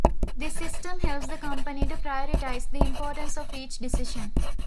This system helps the company to prioritise the importance of each decision.